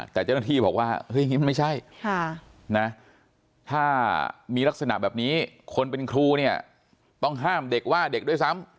แต่เจ้าหน้าที่บอกว่าเฮ้ยมันไม่ใช่นะถ้ามีลักษณะแบบนี้คนเป็นครูเนี่ยต้องห้ามเด็กว่าเด็กด้วยซ้ำ